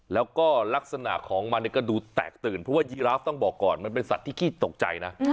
แล้วก็ลักษณะของมันเนี่ยก็ดูแตกตื่นเพราะว่ายีราฟต้องบอกก่อนมันเป็นสัตว์ที่ขี้ตกใจนะ